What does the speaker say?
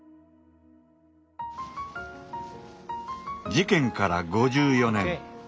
事件から５４年。